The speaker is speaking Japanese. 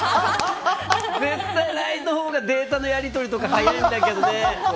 絶対ＬＩＮＥのほうがデータのやり取りとか早いんだけどね。